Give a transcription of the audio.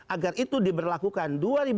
agar itu diberlakukan dua ribu sembilan belas